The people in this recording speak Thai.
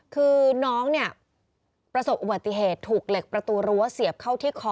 คือน้องเนี่ยประสบอุบัติเหตุถูกเหล็กประตูรั้วเสียบเข้าที่คอ